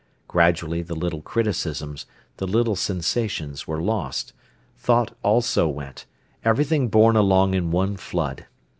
Gradually the little criticisms, the little sensations, were lost, thought also went, everything borne along in one flood.